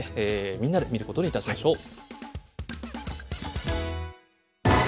みんなで見ることにいたしましょう。